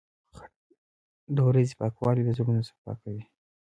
• د ورځې پاکوالی د زړونو صفا کوي.